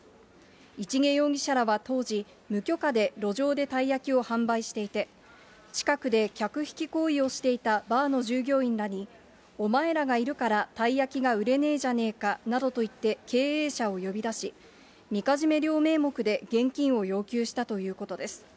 市毛容疑者らは当時、無許可で路上でたい焼きを販売していて、近くで客引き行為をしていたバーの従業員らに、お前らがいるからたい焼きが売れねぇじゃねぇかなどと言って経営者を呼び出し、みかじめ料名目で現金を要求したということです。